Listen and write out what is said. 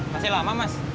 masih lama mas